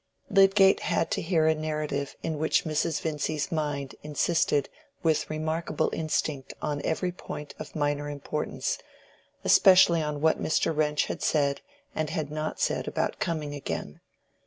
Lydgate had to hear a narrative in which Mrs. Vincy's mind insisted with remarkable instinct on every point of minor importance, especially on what Mr. Wrench had said and had not said about coming again.